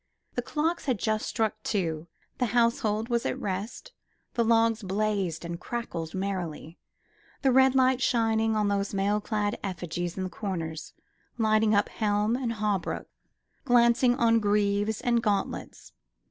The clocks had just struck two, the household was at rest, the logs blazed and cracked merrily, the red light shining on those mail clad effigies in the corners, lighting up helm and hauberk, glancing on greaves and gauntlets.